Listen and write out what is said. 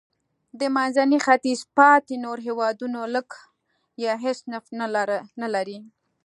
د منځني ختیځ پاتې نور هېوادونه لږ یا هېڅ نفت نه لري.